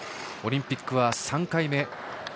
オリンピックは３回目。